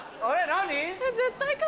何？